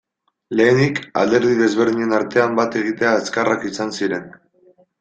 Lehenik, alderdi desberdinen artean bat egite azkarrak izan ziren.